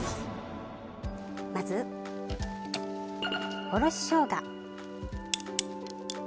まずおろししょうが。